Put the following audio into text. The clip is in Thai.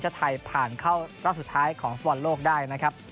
ไทยผ่านเข้ารอบสุดท้ายของฟุตบอลโลกได้นะครับ